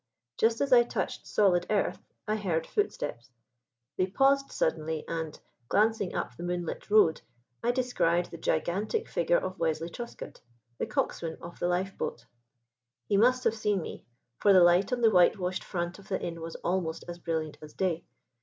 Just as I touched solid earth I heard footsteps. They paused suddenly, and, glancing up the moonlit road, I descried the gigantic figure of Wesley Truscott, the coxswain of the lifeboat. He must have seen me, for the light on the whitewashed front of the inn was almost as brilliant as day.